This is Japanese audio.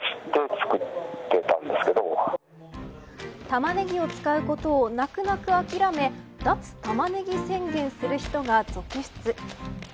タマネギを使うことを泣く泣く諦め脱タマネギ宣言する人が続出。